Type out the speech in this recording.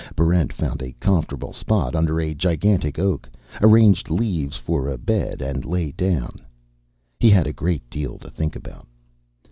Barrent found a comfortable spot under a gigantic oak, arranged leaves for a bed, and lay down. He had a great deal to think about.